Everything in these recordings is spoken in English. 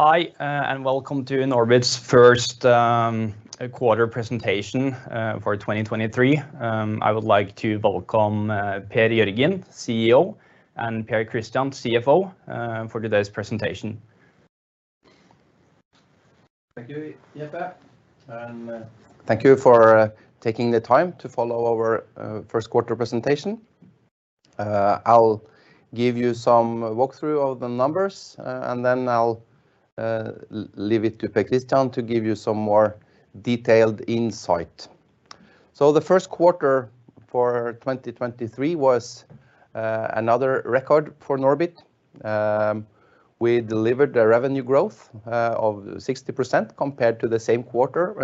Hi, and welcome to Norbit's first quarter presentation for 2023. I would like to welcome Per Jørgen, CEO, and Per Kristian, CFO, for today's presentation. Thank you, Jeppe. Thank you for taking the time to follow our first quarter presentation. I'll give you some walkthrough of the numbers, then I'll leave it to Per Kristian to give you some more detailed insight. The first quarter for 2023 was another record for Norbit. We delivered a revenue growth of 60% compared to the same quarter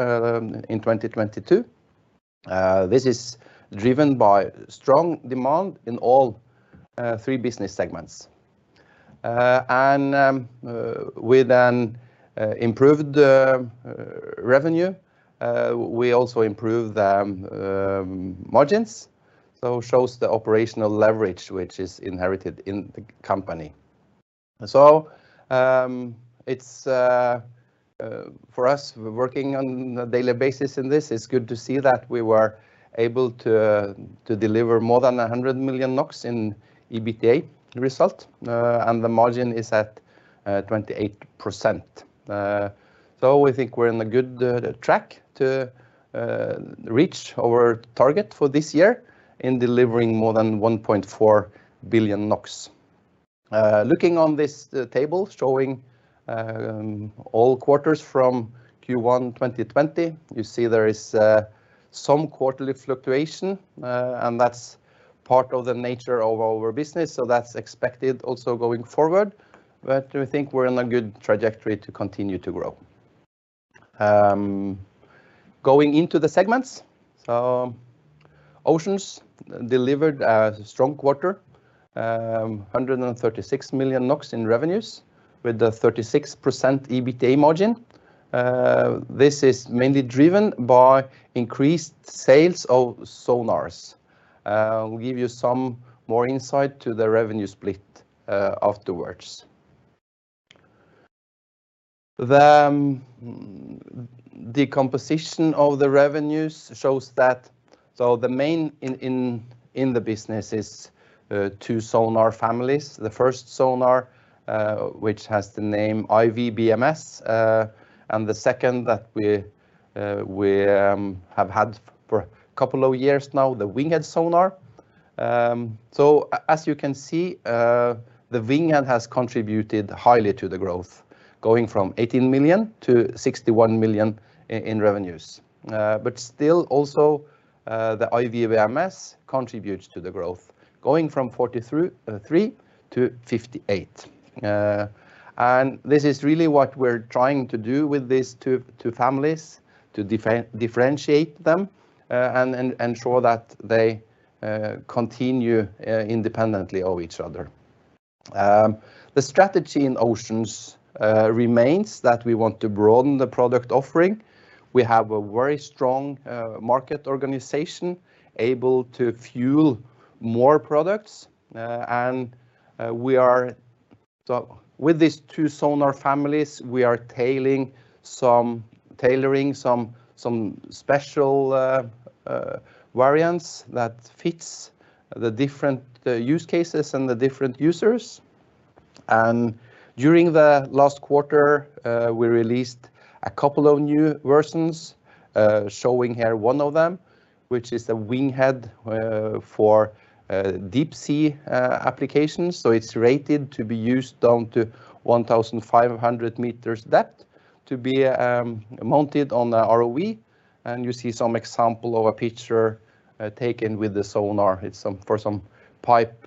in 2022. This is driven by strong demand in all three business segments. We improved the revenue. We also improved the margins, shows the operational leverage, which is inherited in the company. It's for us working on a daily basis, and this is good to see that we were able to deliver more than 100 million NOK in EBITDA result, and the margin is at 28%. We think we're in a good track to reach our target for this year in delivering more than 1.4 billion NOK. Looking on this table showing all quarters from Q1 2020, you see there is some quarterly fluctuation, and that's part of the nature of our business, so that's expected also going forward. We think we're in a good trajectory to continue to grow. Going into the segments, so Oceans delivered a strong quarter, 136 million NOK in revenues with a 36% EBITDA margin. This is mainly driven by increased sales of sonars. We'll give you some more insight to the revenue split afterwards. The composition of the revenues shows that the main in the business is two sonar families. The first sonar, which has the name iWBMS, and the second that we have had for a couple of years now, the WINGHEAD sonar. As you can see, the WINGHEAD has contributed highly to the growth, going from $18 million to $61 million in revenues. Still also, the iWBMS contributes to the growth, going from $43 million to $58 million. This is really what we're trying to do with these two families, to differentiate them and show that they continue independently of each other. The strategy in Oceans remains that we want to broaden the product offering. We have a very strong market organization able to fuel more products. With these two sonar families, we are tailoring some special variants that fits the different use cases and the different users. During the last quarter, we released a couple of new versions, showing here one of them, which is the WINGHEAD, for deep sea applications. It's rated to be used down to 1,500 meters depth to be mounted on a ROV, and you see some example of a picture taken with the sonar. It's for some pipe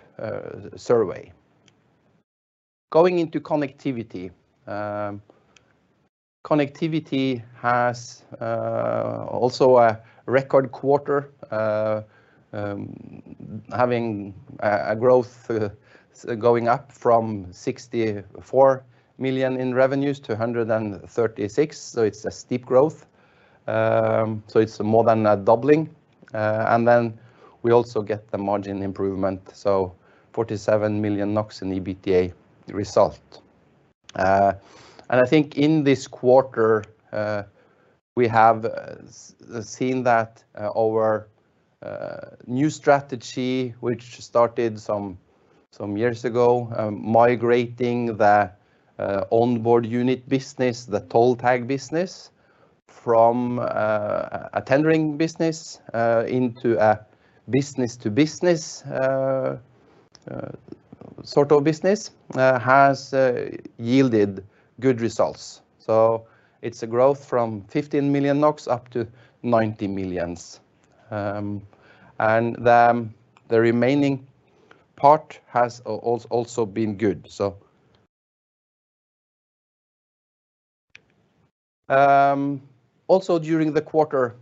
survey. Going into Connectivity. Connectivity has also a record quarter, having a growth going up from 64 million in revenues to 136. It's a steep growth. It's more than a doubling. We also get the margin improvement, so 47 million NOK in EBITDA result. I think in this quarter, we have seen that our new strategy, which started some years ago, migrating the On-Board Unit business, the toll tag business from a tendering business into a business-to-business sort of business, has yielded good results. It's a growth from 15 million NOK up to 90 million. The remaining part has also been good. Also during the quarter,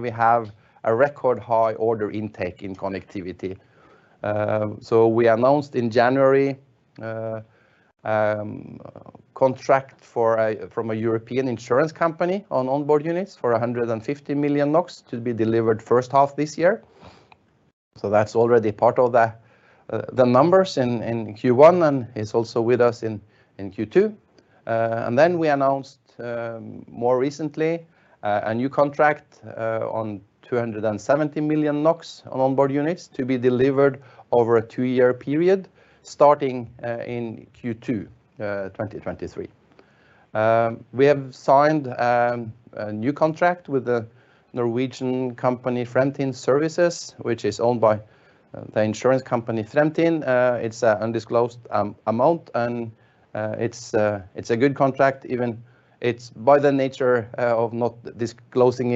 we have a record high order intake in Connectivity. We announced in January, contract for from a European insurance company on On-Board Units for 150 million NOK to be delivered first half this year. That's already part of the numbers in Q1, and it's also with us in Q2. We announced more recently a new contract on 270 million NOK on On-Board Units to be delivered over a two-year period, starting in Q2, 2023. We have signed a new contract with the Norwegian company Fremtind Services, which is owned by the insurance company Fremtind. It's an undisclosed amount, and it's a good contract. Even it's by the nature of not disclosing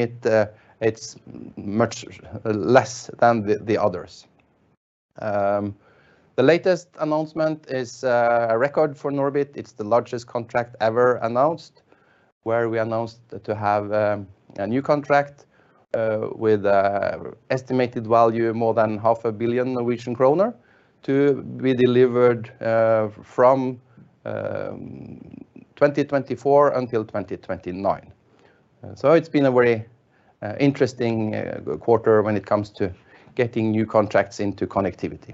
it's much less than the others. The latest announcement is a record for Norbit. It's the largest contract ever announced, where we announced to have a new contract with a estimated value of more than half a billion Norwegian kroner to be delivered from 2024 until 2029. It's been a very interesting quarter when it comes to getting new contracts into Connectivity.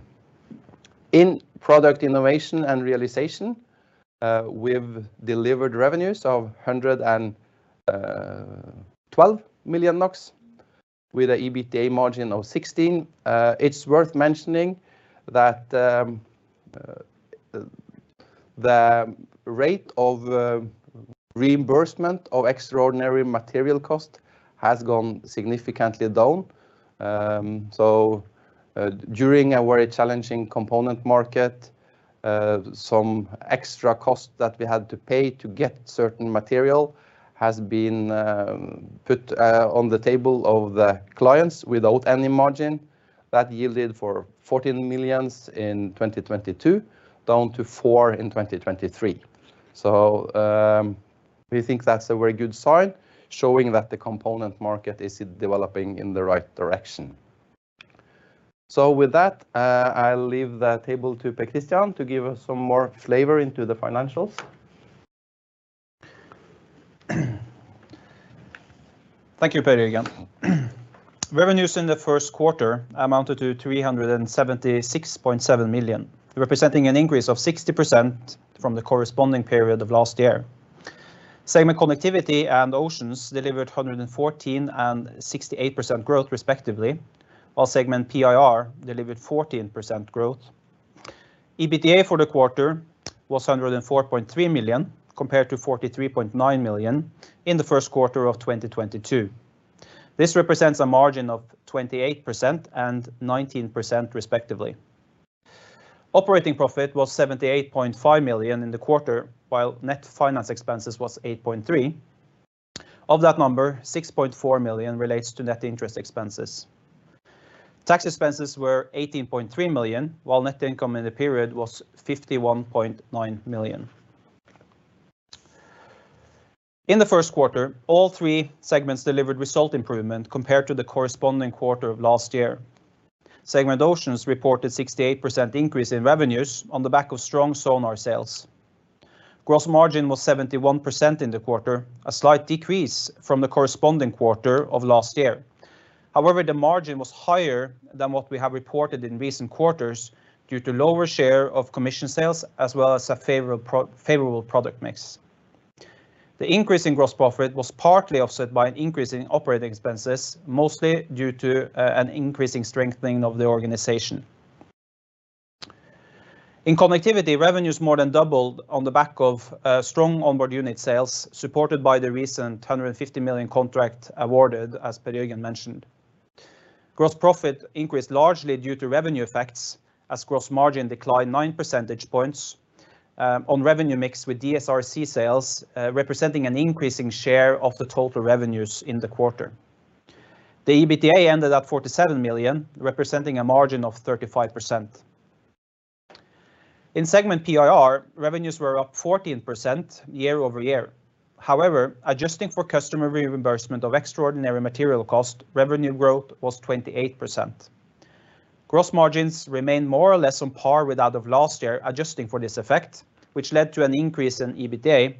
In Product Innovation & Realization, we've delivered revenues of 112 million NOK with a EBITDA margin of 16%. It's worth mentioning that the rate of reimbursement of extraordinary material cost has gone significantly down. During a very challenging component market, some extra cost that we had to pay to get certain material has been put on the table of the clients without any margin. That yielded for 14 million in 2022, down to 4 million in 2023. We think that's a very good sign, showing that the component market is developing in the right direction. With that, I'll leave the table to Per Kristian to give us some more flavor into the financials. Thank you, Per Jørgen. Revenues in the first quarter amounted to 376.7 million, representing an increase of 60% from the corresponding period of last year. Segment Connectivity and Oceans delivered 114% and 68% growth, respectively, while segment PIR delivered 14% growth. EBITDA for the quarter was 104.3 million, compared to 43.9 million in the first quarter of 2022. This represents a margin of 28% and 19% respectively. Operating profit was 78.5 million in the quarter, while net finance expenses was 8.3 million. Of that number, 6.4 million relates to net interest expenses. Tax expenses were 18.3 million, while net income in the period was 51.9 million. In the first quarter, all three segments delivered result improvement compared to the corresponding quarter of last year. Segment Oceans reported 68% increase in revenues on the back of strong sonar sales. Gross margin was 71% in the quarter, a slight decrease from the corresponding quarter of last year. However, the margin was higher than what we have reported in recent quarters due to lower share of commission sales, as well as a favorable product mix. The increase in gross profit was partly offset by an increase in operating expenses, mostly due to an increasing strengthening of the organization. In Connectivity, revenues more than doubled on the back of strong On-Board Unit sales, supported by the recent 150 million contract awarded, as Per Jørgen mentioned. Gross profit increased largely due to revenue effects, as gross margin declined 9 percentage points on revenue mix with DSRC sales representing an increasing share of the total revenues in the quarter. The EBITDA ended at 47 million, representing a margin of 35%. In segment PIR, revenues were up 14% year-over-year. However, adjusting for customer reimbursement of extraordinary material cost, revenue growth was 28%. Gross margins remained more or less on par with out of last year, adjusting for this effect, which led to an increase in EBITDA,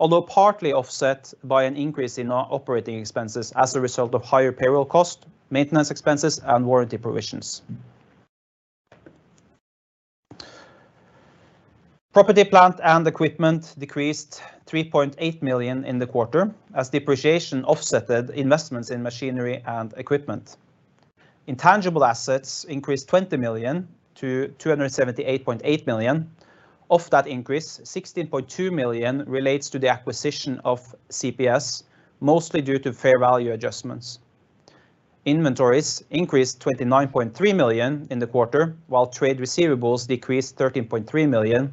although partly offset by an increase in operating expenses as a result of higher payroll cost, maintenance expenses, and warranty provisions. Property plant and equipment decreased 3.8 million in the quarter as depreciation offsetted investments in machinery and equipment. Intangible assets increased 20 million to 278.8 million. Of that increase, 16.2 million relates to the acquisition of CPS, mostly due to fair value adjustments. Inventories increased 29.3 million in the quarter, while trade receivables decreased 13.3 million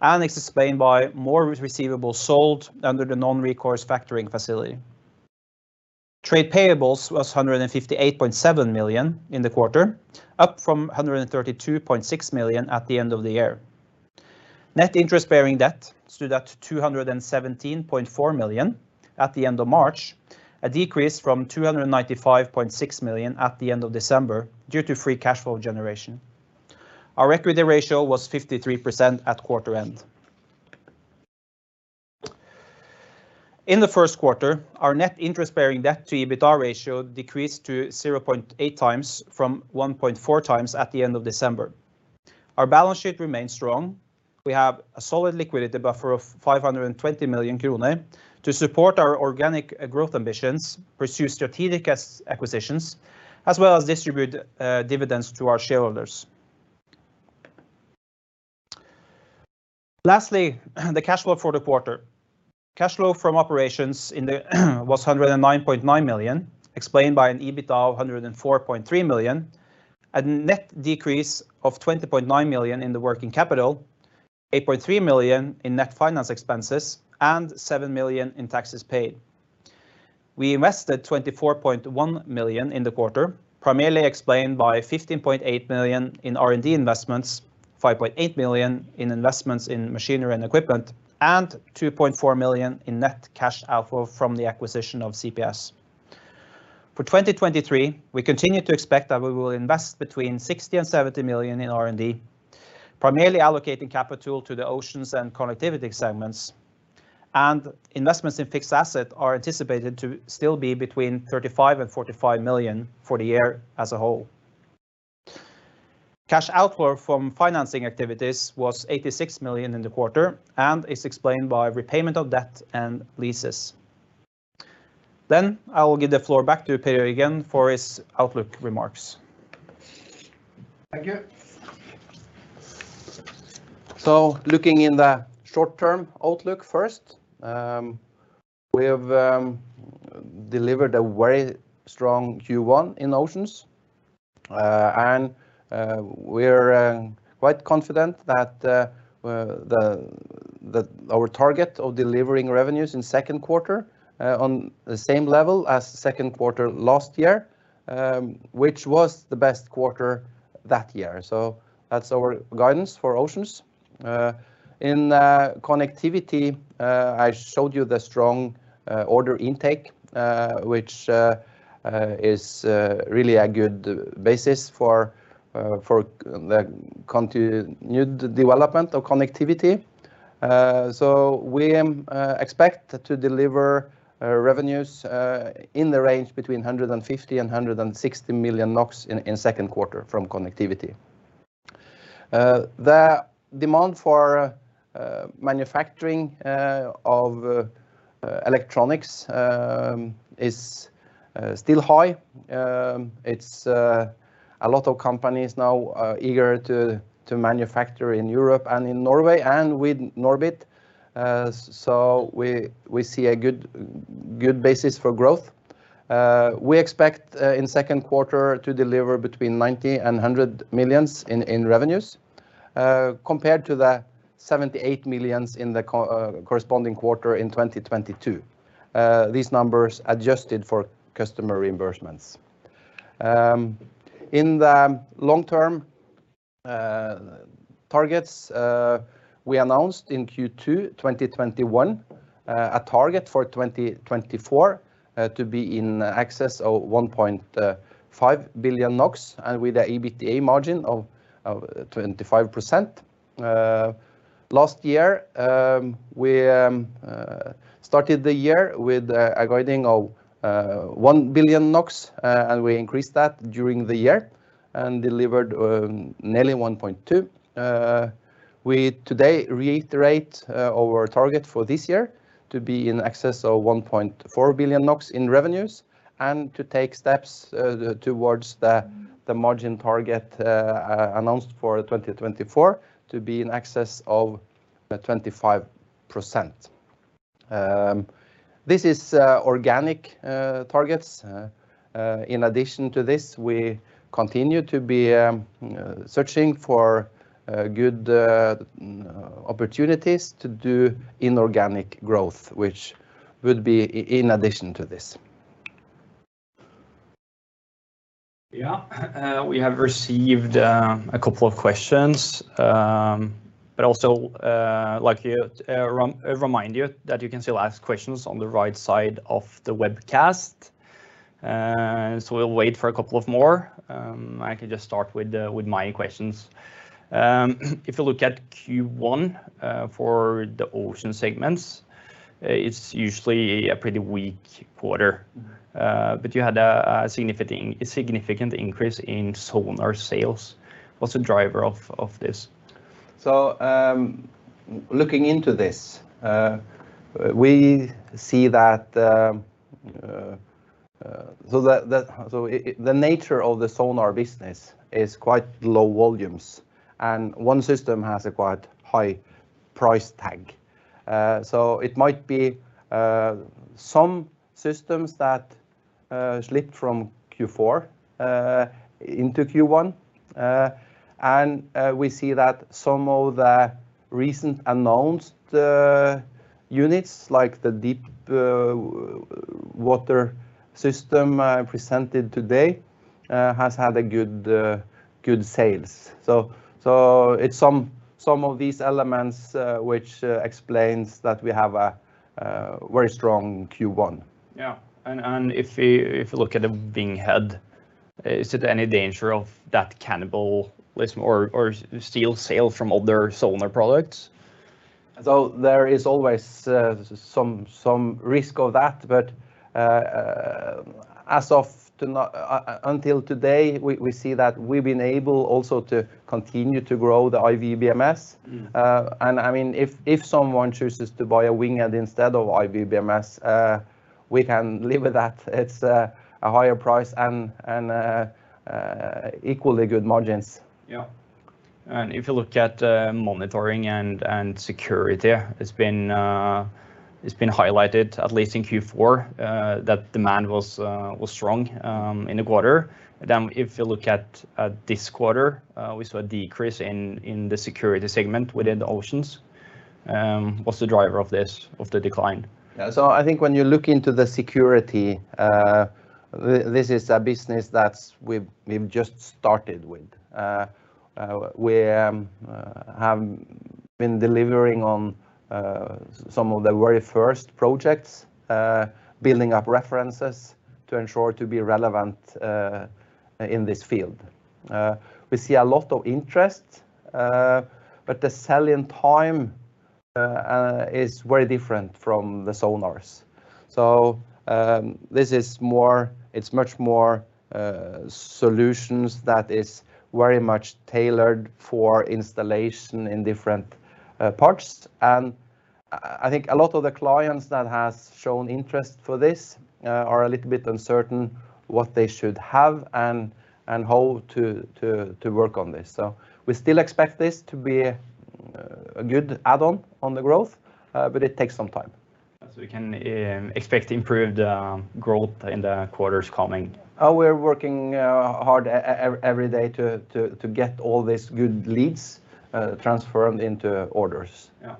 and explained by more receivables sold under the non-recourse factoring facility. Trade payables was 158.7 million in the quarter, up from 132.6 million at the end of the year. Net interest bearing debt stood at 217.4 million at the end of March, a decrease from 295.6 million at the end of December due to free cash flow generation. Our equity ratio was 53% at quarter end. In the first quarter, our net interest-bearing debt to EBITDA ratio decreased to 0.8x from 1.4x at the end of December. Our balance sheet remains strong. We have a solid liquidity buffer of 520 million kroner to support our organic growth ambitions, pursue strategic acquisitions, as well as distribute dividends to our shareholders. Lastly, the cash flow for the quarter. Cash flow from operations was 109.9 million, explained by an EBITDA of 104.3 million, a net decrease of 20.9 million in the working capital, 8.3 million in net finance expenses, and 7 million in taxes paid. We invested 24.1 million in the quarter, primarily explained by 15.8 million in R&D investments, 5.8 million in investments in machinery and equipment, and 2.4 million in net cash outflow from the acquisition of CPS. For 2023, we continue to expect that we will invest between 60 million and 70 million in R&D, primarily allocating capital to the Oceans and Connectivity segments. Investments in fixed asset are anticipated to still be between 35 million and 45 million for the year as a whole. Cash outflow from financing activities was 86 million in the quarter and is explained by repayment of debt and leases. I will give the floor back to Per Jørgen for his outlook remarks. Thank you. Looking in the short-term outlook first, we have delivered a very strong Q1 in Oceans. We're quite confident that our target of delivering revenues in second quarter on the same level as second quarter last year, which was the best quarter that year. That's our guidance for Oceans. In Connectivity, I showed you the strong order intake, which is really a good basis for the continued development of Connectivity. We expect to deliver revenues in the range between 150 million NOK and 160 million NOK in second quarter from Connectivity. The demand for manufacturing of electronics is still high. It's a lot of companies now are eager to manufacture in Europe and in Norway and with Norbit. We see a good basis for growth. We expect in second quarter to deliver between 90 million and 100 million in revenues compared to 78 million in the corresponding quarter in 2022. These numbers adjusted for customer reimbursements. In the long-term targets we announced in Q2 2021, a target for 2024 to be in excess of 1.5 billion NOK and with the EBITDA margin of 25%. Last year, we started the year with a guiding of 1 billion NOK, and we increased that during the year and delivered nearly 1.2 billion. We today reiterate our target for this year to be in excess of 1.4 billion NOK in revenues and to take steps towards the margin target announced for 2024 to be in excess of 25%. This is organic targets. In addition to this, we continue to be searching for good opportunities to do inorganic growth, which would be in addition to this. Yeah. We have received a couple of questions. Also like to remind you that you can still ask questions on the right side of the webcast. We'll wait for a couple of more. I can just start with my questions. If you look at Q1 for the Oceans segment, it's usually a pretty weak quarter. You had a significant increase in sonar sales. What's the driver of this? Looking into this, we see that the nature of the sonar business is quite low volumes, and one system has a quite high price tag. It might be some systems that slipped from Q4 into Q1. And we see that some of the recent announced units, like the deep water system presented today, has had good sales. It's some of these elements which explains that we have a very strong Q1. Yeah. If you look at the WINGHEAD Is it any danger of that cannibalism or steal sales from other sonar products? there is always, some risk of that. Until today, we see that we've been able also to continue to grow the iWBMS. I mean, if someone chooses to buy a WINGHEAD instead of iWBMS, we can live with that. It's a higher price and equally good margins. Yeah. If you look at monitoring and security, it's been highlighted at least in Q4 that demand was strong in the quarter. If you look at this quarter, we saw a decrease in the security segment within the Oceans. What's the driver of the decline? I think when you look into the security, this is a business that we've just started with. We have been delivering on some of the very first projects, building up references to ensure to be relevant in this field. We see a lot of interest, but the selling time is very different from the sonars. This is more, it's much more solutions that is very much tailored for installation in different parts. I think a lot of the clients that has shown interest for this are a little bit uncertain what they should have and how to work on this. We still expect this to be a good add-on on the growth, but it takes some time. We can expect improved growth in the quarters coming? We're working hard every day to get all these good leads transformed into orders. Yeah.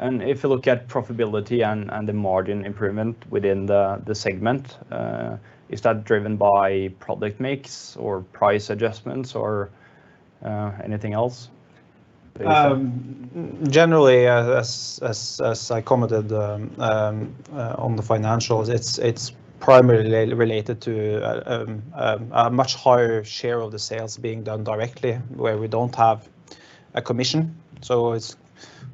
If you look at profitability and the margin improvement within the segment, is that driven by product mix or price adjustments or anything else? Generally, as I commented, on the financials, it's primarily related to a much higher share of the sales being done directly where we don't have a commission. It's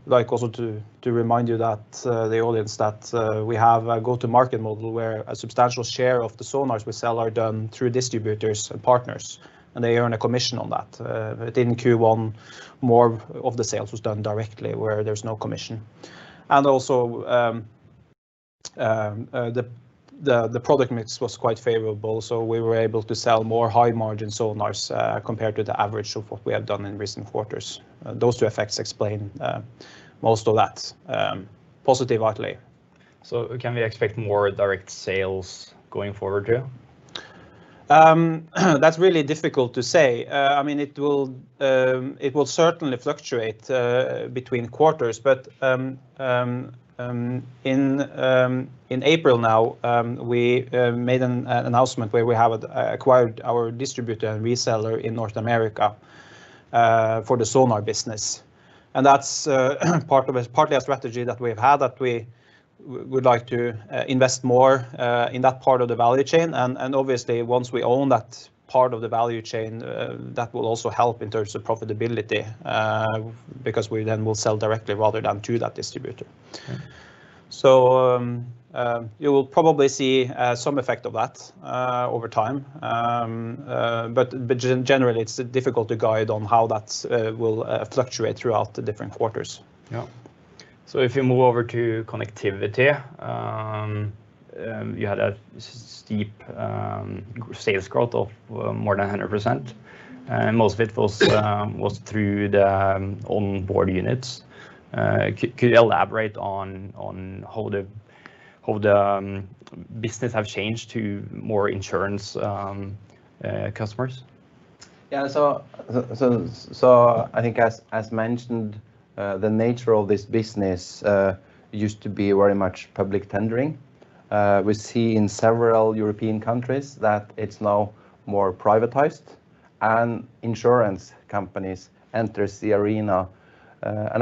like also to remind you that the audience that we have a go-to-market model where a substantial share of the sonars we sell are done through distributors and partners, and they earn a commission on that. In Q1, more of the sales was done directly where there's no commission. Also, the product mix was quite favorable, so we were able to sell more high-margin sonars, compared to the average of what we have done in recent quarters. Those two effects explain most of that positively. Can we expect more direct sales going forward too? That's really difficult to say. I mean, it will certainly fluctuate between quarters. In April now, we made an announcement where we have acquired our distributor and reseller in North America for the sonar business. That's partly a strategy that we've had that we would like to invest more in that part of the value chain. Obviously once we own that part of the value chain, that will also help in terms of profitability because we then will sell directly rather than to that distributor. Okay. You will probably see some effect of that over time. But generally it's difficult to guide on how that will fluctuate throughout the different quarters. Yeah. If you move over to Connectivity, you had a steep sales growth of more than 100%. Most of it was through the On-Board Units. Could you elaborate on how the business have changed to more insurance customers? I think as mentioned, the nature of this business used to be very much public tendering. We see in several European countries that it's now more privatized and insurance companies enters the arena.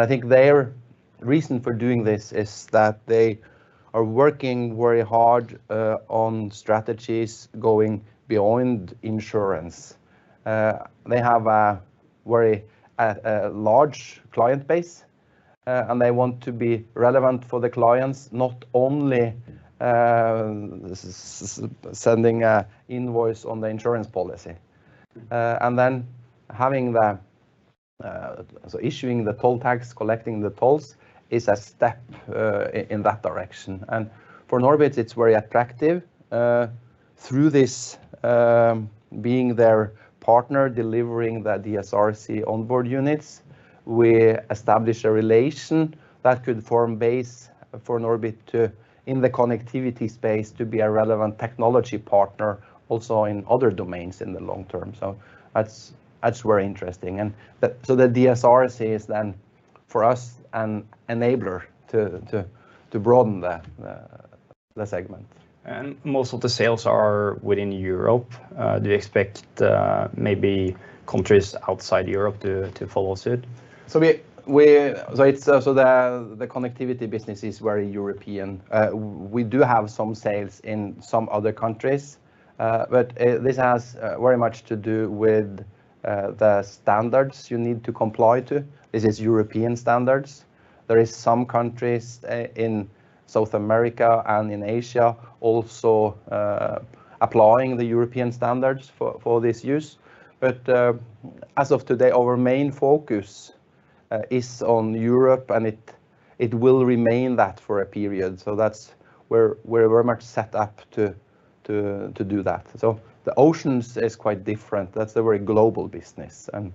I think their reason for doing this is that they are working very hard on strategies going beyond insurance. They have a very large client base, and they want to be relevant for the clients, not only sending a invoice on the insurance policy. Issuing the toll tags, collecting the tolls is a step in that direction. For Norbit, it's very attractive. Through this, being their partner, delivering the DSRC On-Board Units, we establish a relation that could form base for Norbit to, in the Connectivity space, to be a relevant technology partner also in other domains in the long term. That's very interesting. The DSRC is then for us an enabler to broaden the segment. Most of the sales are within Europe. Do you expect maybe countries outside Europe to follow suit? It's the Connectivity business is very European. We do have some sales in some other countries, but this has very much to do with the standards you need to comply to. This is European standards. There is some countries in South America and in Asia also applying the European standards for this use. As of today, our main focus is on Europe, and it will remain that for a period. That's. We're very much set up to do that. The Oceans is quite different. That's a very global business, and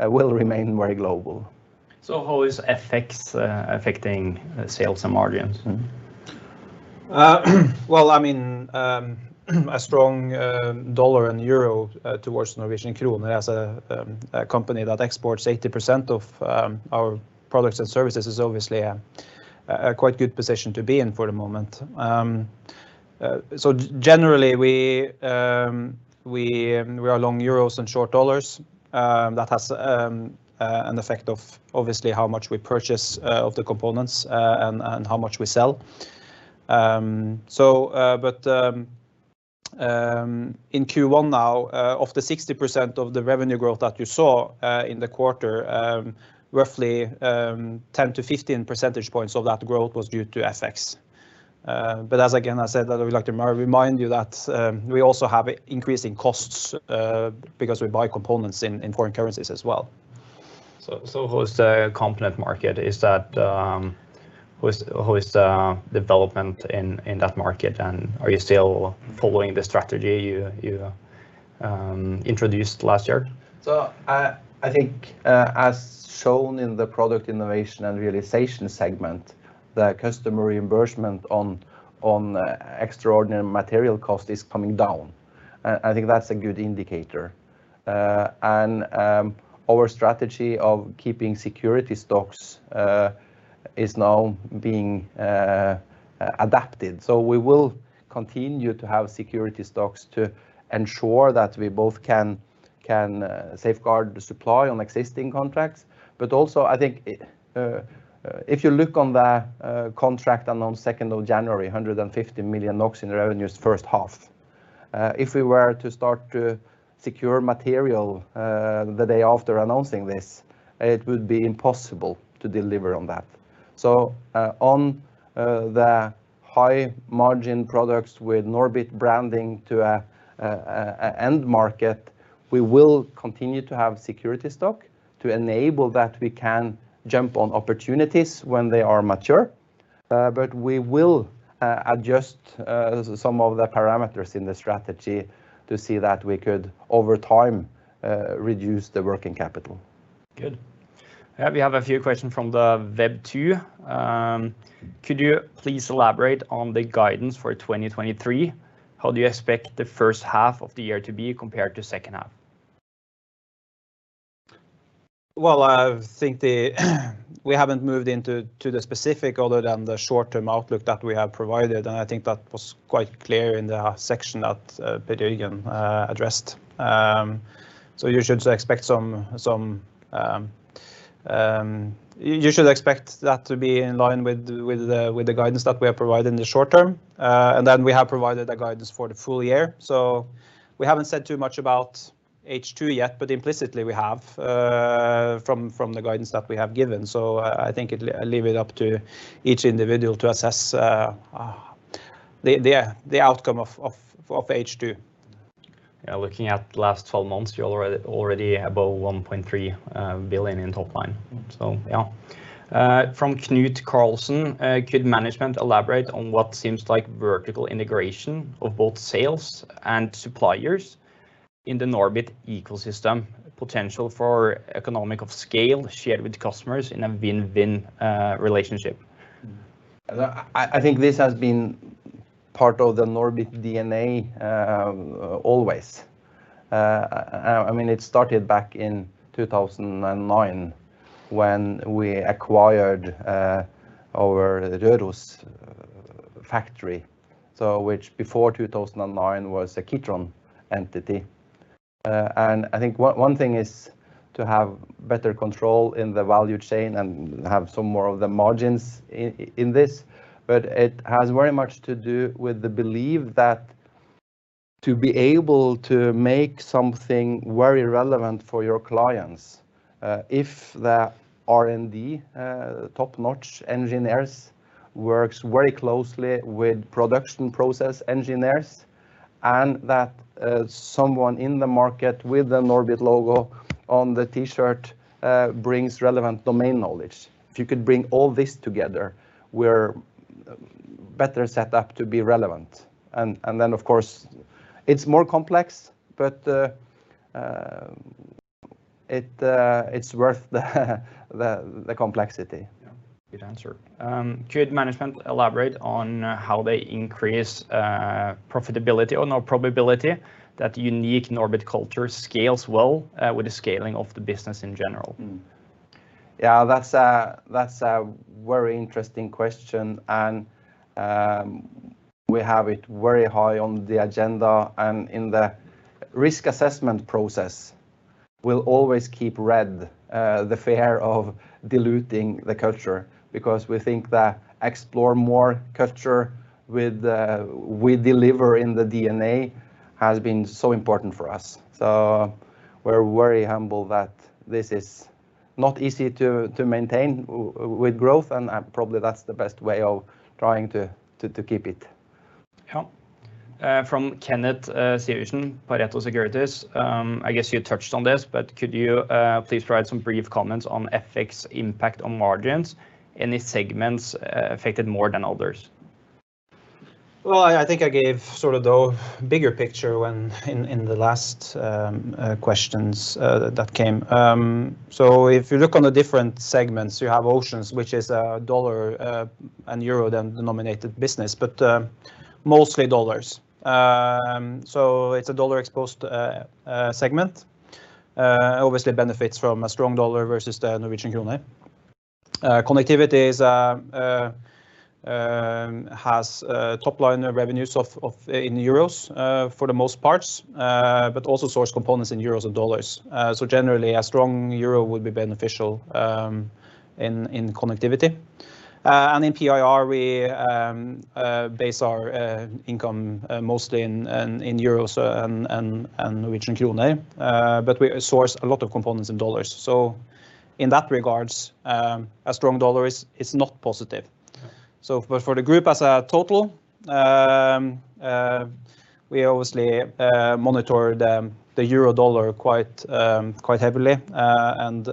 will remain very global. How is effects affecting sales and margins? Well, I mean, a strong dollar and euro towards Norwegian krone as a company that exports 80% of our products and services is obviously a quite good position to be in for the moment. Generally, we are long euros and short dollars. That has an effect of obviously how much we purchase of the components and how much we sell. In Q1 now, of the 60% of the revenue growth that you saw in the quarter, roughly 10-15 percentage points of that growth was due to FX. As again I said, that I would like to remind you that we also have increasing costs, because we buy components in foreign currencies as well. How is the component market? How is the development in that market, and are you still following the strategy you introduced last year? I think, as shown in the Product Innovation & Realization segment, the customer reimbursement on extraordinary material cost is coming down. I think that's a good indicator. Our strategy of keeping security stocks is now being adapted. We will continue to have security stocks to ensure that we both can safeguard the supply on existing contracts, but also I think, if you look on the contract announced 2nd of January, 150 million NOK in revenues first half, if we were to start to secure material, the day after announcing this, it would be impossible to deliver on that. On the high margin products with Norbit branding to an end market, we will continue to have security stock to enable that we can jump on opportunities when they are mature. We will adjust some of the parameters in the strategy to see that we could over time reduce the working capital. Good. We have a few questions from the web, too. Could you please elaborate on the guidance for 2023? How do you expect the first half of the year to be compared to second half? Well, I think We haven't moved into to the specific other than the short-term outlook that we have provided. I think that was quite clear in the section that Per Jørgen addressed. You should expect some that to be in line with the guidance that we are providing in the short term. Then we have provided a guidance for the full year. We haven't said too much about H2 yet, but implicitly we have from the guidance that we have given. I leave it up to each individual to assess the outcome of H2. Yeah. Looking at last 12 months, you already above 1.3 billion in top line. Yeah. From Knut-Erik Løvstad, could management elaborate on what seems like vertical integration of both sales and suppliers in the Norbit ecosystem, potential for economic of scale shared with customers in a win-win relationship? I think this has been part of the Norbit DNA always. I mean, it started back in 2009 when we acquired our Røros factory, which before 2009 was a Kitron entity. I think one thing is to have better control in the value chain and have some more of the margins in this, but it has very much to do with the belief that to be able to make something very relevant for your clients, if the R&D top-notch engineers works very closely with production process engineers and that someone in the market with the Norbit logo on the T-shirt brings relevant domain knowledge. If you could bring all this together, we're better set up to be relevant. Of course, it's more complex, but it's worth the complexity. Yeah. Good answer. Could management elaborate on how they increase profitability or know probability that unique Norbit culture scales well with the scaling of the business in general? Yeah, that's a, that's a very interesting question. We have it very high on the agenda. In the risk assessment process we'll always keep red, the fear of diluting the culture because we think the Explore More culture with, we deliver in the DNA has been so important for us. We're very humble that this is not easy to maintain with growth. Probably that's the best way of trying to keep it. From Kenneth Sivertsen, Pareto Securities. I guess you touched on this, but could you please provide some brief comments on FX impact on margins? Any segments affected more than others? I think I gave sort of the bigger picture when in the last questions that came. If you look on the different segments, you have Oceans, which is a dollar and euro denominated business, but mostly dollars. It's a dollar-exposed segment. Obviously it benefits from a strong dollar versus the Norwegian krone. Connectivity is has top line revenues of in EUR for the most parts, but also source components in EUR and USD. Generally a strong EUR would be beneficial in Connectivity. In PIR we base our income mostly in EUR and Norwegian krone, but we source a lot of components in USD. In that regards, a strong dollar is not positive. But for the group as a total, we obviously monitor the euro/dollar quite heavily, and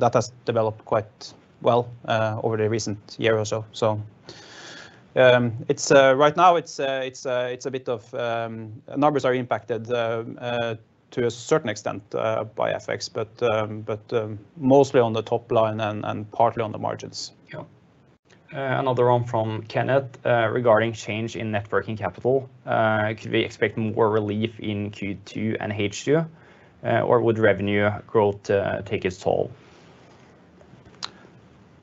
that has developed quite well over the recent year or so. Numbers are impacted to a certain extent by FX, but mostly on the top line and partly on the margins. Yeah. Another one from Kenneth, regarding change in net working capital. Could we expect more relief in Q2 and H2, or would revenue growth take its toll?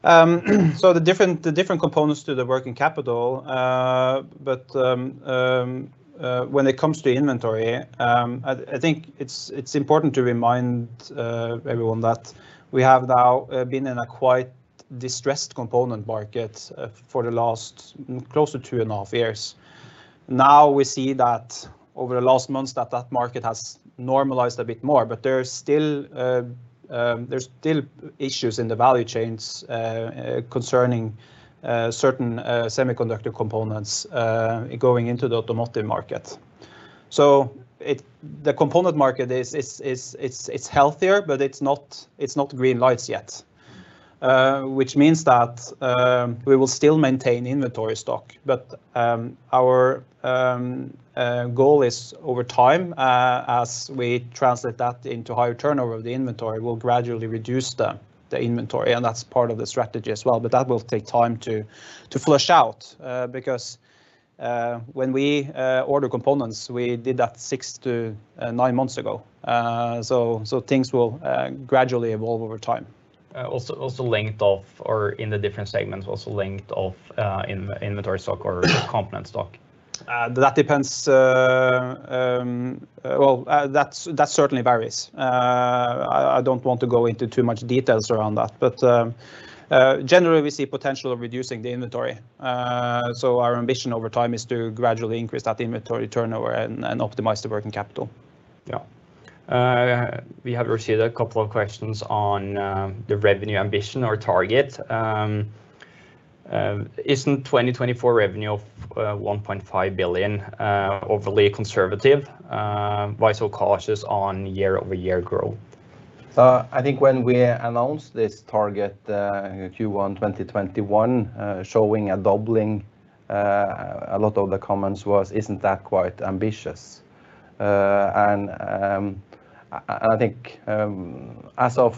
The different components to the working capital, when it comes to inventory, I think it's important to remind everyone that we have now been in a quite distressed component market for the last close to 2.5 years. Now we see that over the last months that that market has normalized a bit more, there are still issues in the value chains concerning certain semiconductor components going into the automotive market. The component market is healthier, but it's not, it's not green lights yet, which means that we will still maintain inventory stock. Our goal is over time, as we translate that into higher turnover of the inventory, we'll gradually reduce the inventory, and that's part of the strategy as well. That will take time to flush out, because when we order components, we did that six to nine months ago, so things will gradually evolve over time. Also linked of or in the different segments, also linked of inventory stock or component stock? That depends. Well, that certainly varies. I don't want to go into too much details around that, but generally we see potential of reducing the inventory. Our ambition over time is to gradually increase that inventory turnover and optimize the working capital. We have received a couple of questions on the revenue ambition or target. Isn't 2024 revenue of 1.5 billion overly conservative? Why so cautious on year-over-year growth? I think when we announced this target, Q1 2021, showing a doubling, a lot of the comments was, "Isn't that quite ambitious?" I think, as of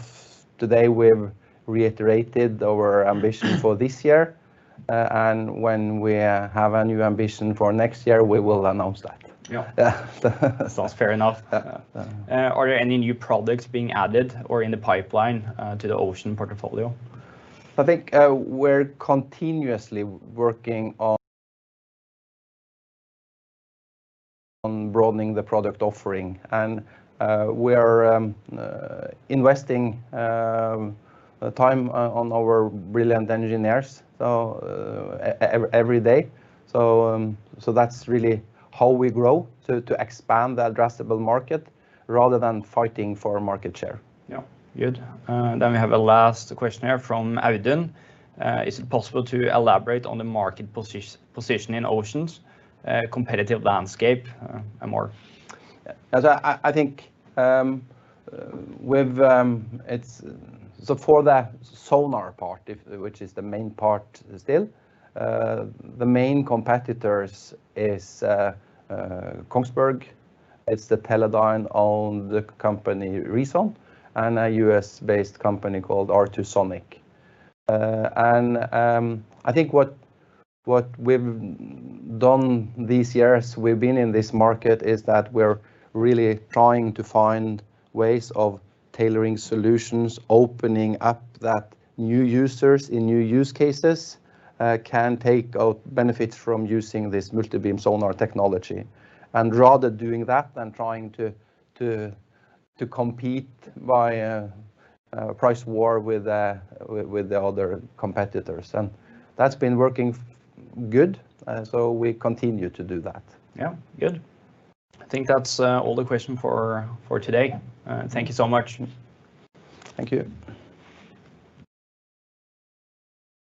today, we've reiterated our ambition for this year, and when we have a new ambition for next year, we will announce that. Yeah. Yeah. Sounds fair enough. Yeah. Yeah. Are there any new products being added or in the pipeline to the Oceans portfolio? I think, we're continuously working on broadening the product offering, and, we're investing time on our brilliant engineers, so, every day. That's really how we grow, so to expand the addressable market rather than fighting for market share. Good. We have a last questionnaire from Audun. Is it possible to elaborate on the market position in Oceans, competitive landscape, and more? Yeah. As I think, for the sonar part, if, which is the main part still, the main competitors is Kongsberg, it's the Teledyne-owned company RESON, and a U.S.-based company called R2Sonic. I think what we've done these years we've been in this market is that we're really trying to find ways of tailoring solutions, opening up that new users in new use cases, can take benefit from using this multibeam sonar technology, and rather doing that than trying to compete via a price war with the other competitors. That's been working good, so we continue to do that. Yeah. Good. I think that's all the question for today. Yeah. Thank you so much. Thank you.